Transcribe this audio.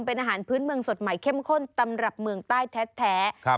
เป็นอาหารพื้นเมืองสดใหม่เข้มข้นตำรับเมืองใต้แท้